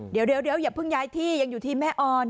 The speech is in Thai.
เดี๋ยวอย่าเพิ่งย้ายที่ยังอยู่ที่แม่ออน